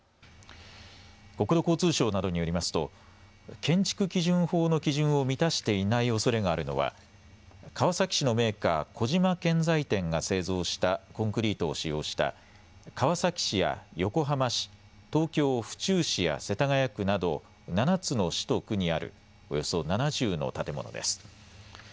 国土交通省などによりますと建築基準法の基準を満たしていないおそれがあるのは川崎市のメーカー小島建材店が製造したコンクリートを使用した川崎市や横浜市、東京府中市や世田谷区など７つの市と区にあるおよそ７０の建物です。